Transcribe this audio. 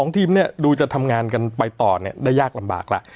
๒ทีมเนี่ยดูจะทำงานกันไปต่อเนี่ยได้ยากลำบากล่ะ